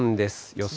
予想